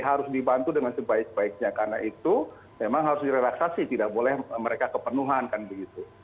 harus dibantu dengan sebaik baiknya karena itu memang harus direlaksasi tidak boleh mereka kepenuhan kan begitu